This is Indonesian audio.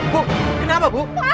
bu kenapa bu